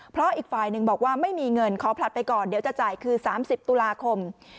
เพราะอีกฝ่ายหนึ่งบอกว่าไม่มีเงินขอผลัดไปก่อนเดี๋ยวจะจ่ายคือ๓๐ตุลาคม